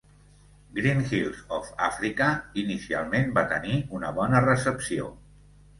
"Green Hills of Africa" inicialment va tenir una bona recepció.